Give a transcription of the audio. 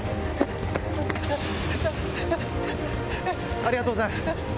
ありがとうございます。